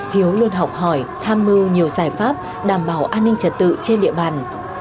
hiếu luôn học hỏi tham mưu nhiều giải pháp đảm bảo an ninh trật tự trên địa bàn